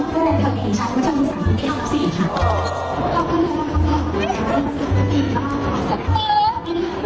สี่สี่สี่